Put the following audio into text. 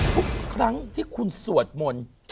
ทุกครั้งที่คุณสวดมนต์